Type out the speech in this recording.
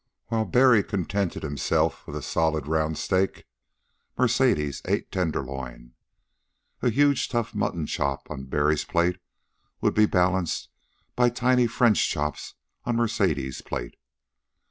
While Barry contented himself with solid round steak, Mercedes ate tenderloin. A huge, tough muttonchop on Barry's plate would be balanced by tiny French chops on Mercedes' plate.